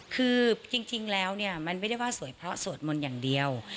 คือจริงแล้วเนี่ยมันไม่ได้ว่าสวยเพราะสวดมนต์อย่างเดียว